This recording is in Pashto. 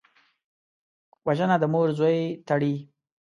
وژنه د مور زوی تړي